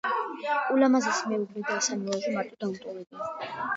ულამაზესი მეუღლე და სამი ვაჟი მარტო დაუტოვებია.